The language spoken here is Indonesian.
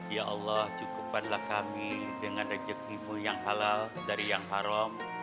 ya allah cukupkanlah kami dengan rejekimu yang halal dari yang haram